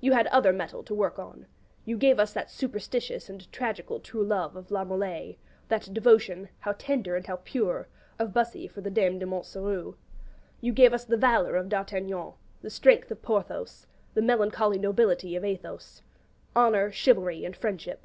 You had other metal to work on: you gave us that superstitious and tragical true love of La Molés, that devotion how tender and how pure! of Bussy for the Dame de Montsoreau. You gave us the valour of D'Artagnan, the strength of Porthos, the melancholy nobility of Athos: Honour, Chivalry, and Friendship.